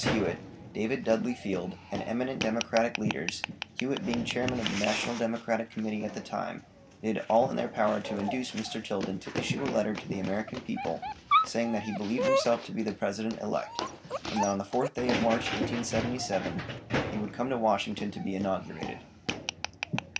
Hewitt, David Dudley Field, and eminent Democratic leaders, Hewitt being chairman of the National Democratic committee at the time, did all in their power to induce Mr. Tilden to issue a letter to the American people saying that he believed himself to be the President elect, and that on the fourth day of March 1877, he would come to Washington to be inaugurated.